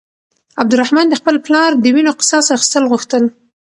عبدالرحمن د خپل پلار د وينو قصاص اخيستل غوښتل.